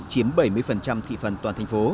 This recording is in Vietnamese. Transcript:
chiếm bảy mươi thị phần toàn thành phố